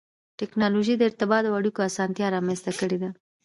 ټکنالوجي د ارتباط او اړیکو اسانتیا رامنځته کړې ده.